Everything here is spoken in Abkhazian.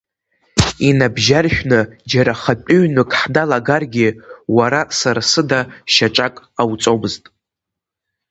Иныбжьаршәны џьара хатәы ҩнык ҳналагаргьы, уара сара сыда шьаҿак ҟауҵомызт.